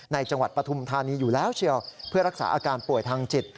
จังหวัดปฐุมธานีอยู่แล้วเชียวเพื่อรักษาอาการป่วยทางจิต